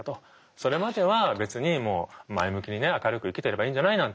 それまでは別にもう前向きにね明るく生きてればいいんじゃないなんて。